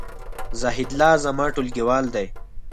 زاهیدالله زما ټولګیوال دی